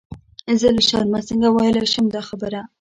زه له شرمه څنګه ویلای شم دا خبره.